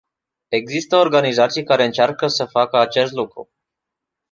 Există organizații care încearcă să facă acest lucru.